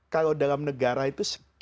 kalau dalam negara itu